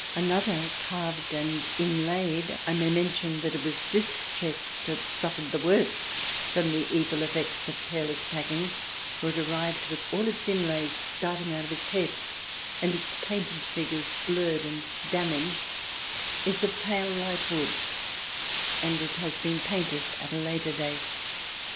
Another, carved and inlaid (I may mention that it was this chest that suffered the worst from the evil effects of careless packing, for it arrived with all its inlays starting out of its head, and its painted figures blurred and damaged), is of a pale light wood, and has been painted at a later date.